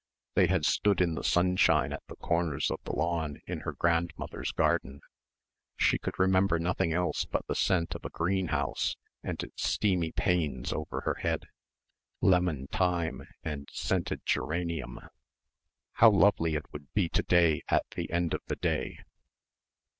They had stood in the sunshine at the corners of the lawn in her grandmother's garden. She could remember nothing else but the scent of a greenhouse and its steamy panes over her head ... lemon thyme and scented geranium. How lovely it would be to day at the end of the day.